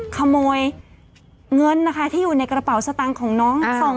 ขโมยเงินนะคะที่อยู่ในกระเป๋าสตางค์ของน้อง